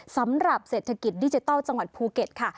สำหรับเศรษฐกิจดิจิทัลจังหวัดภูเก็ตค่ะ